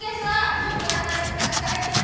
ちょっと離れてたぐらいで！